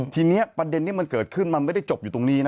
ทีนี้ประเด็นที่มันเกิดขึ้นมันไม่ได้จบอยู่ตรงนี้นะ